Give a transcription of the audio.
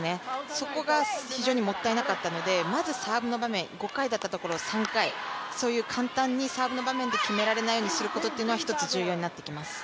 そこが非常にもったいなかったので、まずサーブの場面、５回だったところを３回、そういう簡単にサーブの場面で決められないようにすることが１つ重要になってきます。